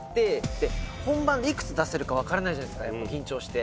本番で幾つ出せるか分からないじゃない緊張して。